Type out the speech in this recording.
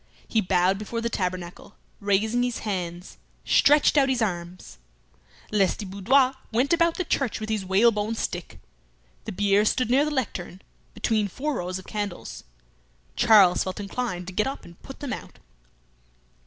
He bowed before the tabernacle, raising his hands, stretched out his arms. Lestiboudois went about the church with his whalebone stick. The bier stood near the lectern, between four rows of candles. Charles felt inclined to get up and put them out.